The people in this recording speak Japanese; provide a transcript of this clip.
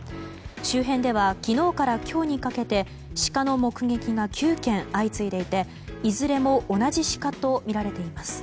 周辺では昨日から今日にかけてシカの目撃が９件相次いでいていずれも同じシカとみられています。